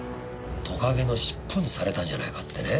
トカゲの尻尾にされたんじゃないかってね。